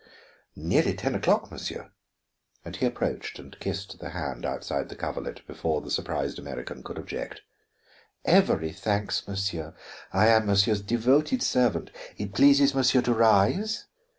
"Nearly ten o'clock, monsieur," and he approached and kissed the hand outside the coverlet before the surprised American could object. "Every thanks, monsieur; I am monsieur's devoted servant. It pleases monsieur to rise?"